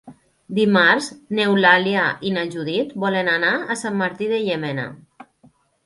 Dimarts n'Eulàlia i na Judit volen anar a Sant Martí de Llémena.